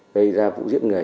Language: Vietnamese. gây ra vụ giết người